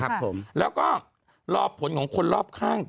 ครับผมแล้วก็รอผลของคนรอบข้าง